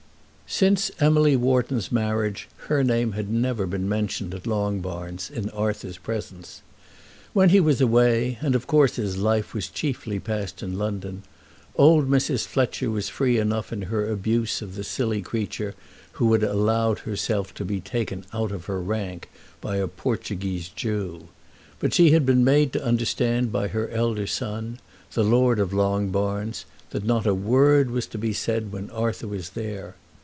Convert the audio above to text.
Since Emily Wharton's marriage her name had never been mentioned at Longbarns in Arthur's presence. When he was away, and of course his life was chiefly passed in London, old Mrs. Fletcher was free enough in her abuse of the silly creature who had allowed herself to be taken out of her own rank by a Portuguese Jew. But she had been made to understand by her elder son, the lord of Longbarns, that not a word was to be said when Arthur was there.